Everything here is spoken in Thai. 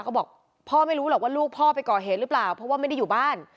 ก็บอกพ่อไม่รู้หรอกว่าลูกพ่อไปก่อเหตุหรือเปล่าเพราะว่าไม่ได้อยู่บ้าน